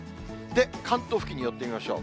で、関東付近に寄ってみましょう。